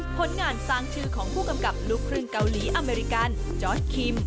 ผลงานสร้างชื่อของผู้กำกับลูกครึ่งเกาหลีอเมริกันจอร์สคิม